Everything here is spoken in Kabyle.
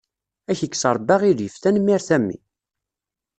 Ad ak-ikkes Rabbi aɣilif, tanemmirt a mmi.